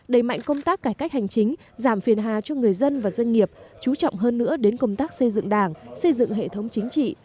đẩy mạnh công tác cải cách hành chính giảm phiền hà cho người dân và doanh nghiệp chú trọng hơn nữa đến công tác xây dựng đảng xây dựng hệ thống chính trị